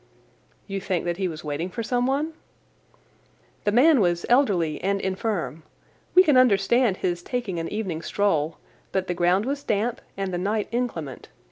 "You think that he was waiting for someone?" "The man was elderly and infirm. We can understand his taking an evening stroll, but the ground was damp and the night inclement.